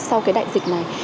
sau cái đại dịch này